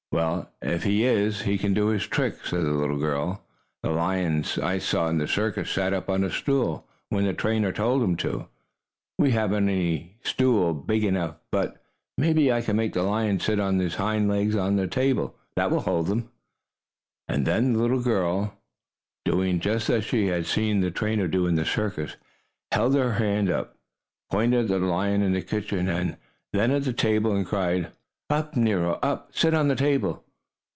"Well, if he is he can do tricks," said the little girl. "The lion I saw in the circus sat up on a stool when the trainer told him to. We haven't any stool big enough, but maybe I can make the lion sit on his hind legs on the table. That will hold him." And then the little girl, doing just as she had seen the trainer do in the circus, held up her hand, pointed at the lion in the kitchen, and then at the table, and cried: "Up, Nero! Up! Sit on the table!"